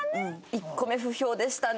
１個目不評でしたね。